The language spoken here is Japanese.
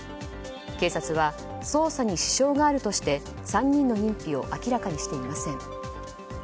警察は捜査に支障があるとして３人の認否を明らかにしていません。